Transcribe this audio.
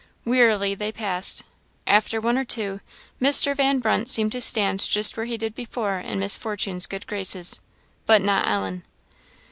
Wearily they passed. After one or two, Mr. Van Brunt seemed to stand just where he did before in Miss Fortune's good graces; but not Ellen.